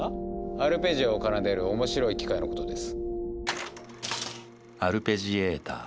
アルペジオを奏でる面白い機械のことです。